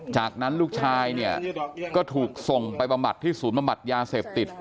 จากนั้นลูกชายเนี่ยก็ถูกส่งไปบำบัดที่ศูนย์บำบัดยาเสพติด